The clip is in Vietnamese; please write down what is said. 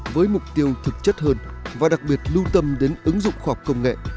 với mục tiêu thực chất hơn và đặc biệt lưu tâm đến ứng dụng khoa học công nghệ